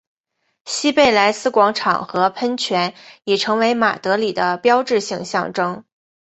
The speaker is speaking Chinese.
西贝莱斯广场和喷泉已成为马德里的标志性象征。